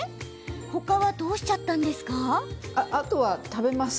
他はどうしちゃったんですか？